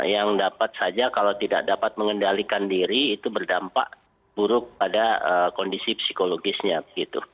yang dapat saja kalau tidak dapat mengendalikan diri itu berdampak buruk pada kondisi psikologisnya gitu